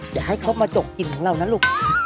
อยากให้เขามาจกกลิ่นของเรานะลูก